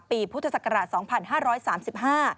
ปีพฤศกราช๒๕๓๕